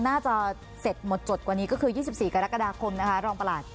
น่าจะเสร็จหมดจดกว่านี้ก็คือ๒๔กรกฎาคมนะคะรองประหลัด